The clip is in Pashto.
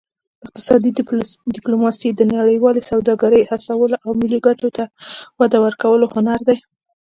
اقتصادي ډیپلوماسي د نړیوالې سوداګرۍ هڅولو او ملي ګټو ته وده ورکولو هنر دی